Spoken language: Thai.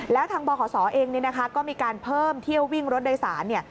แล้วทางบขศเองเนี่ยนะคะก็มีการเพิ่มเที่ยววิ่งรถโดยสารเนี่ย